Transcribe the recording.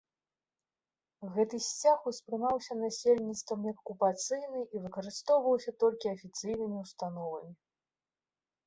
Гэты сцяг успрымаўся насельніцтвам як акупацыйны і выкарыстоўваўся толькі афіцыйнымі ўстановамі.